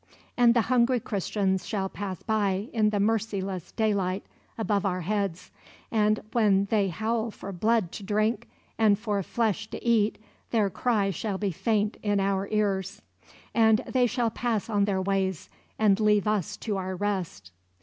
And the hungry Christians shall pass by in the merciless daylight above our heads; and when they howl for blood to drink and for flesh to eat, their cry shall be faint in our ears; and they shall pass on their ways and leave us to our rest."